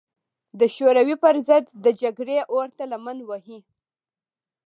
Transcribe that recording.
د شوروي پر ضد د جګړې اور ته لمن ووهي.